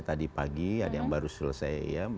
tadi pagi ada yang baru selesai